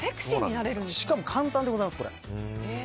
しかも簡単でございます。